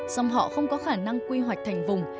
xong họ không có khả năng quy hoạch thành vùng